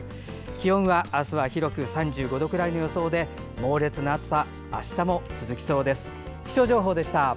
気温は明日は広く３５度くらいの予想で猛烈な暑さあしたも続きそうです。